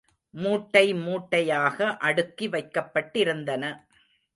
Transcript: மூட்டை மூட்டையாக அடுக்கி வைக்கப்பட்டிருந்தன.